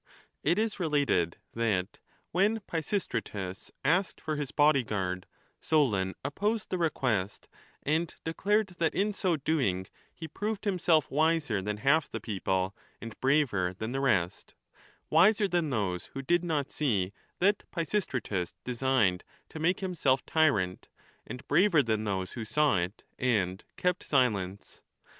It is related that, when Pisistratus asked for his body guard, Solon op posed the request, and declared that in so doing he proved himself wiser than half the people and braver than the rest, wiser than those who did not see that Pisistratus designed to make himself tyrant, and braver than those who saw it and kept silence.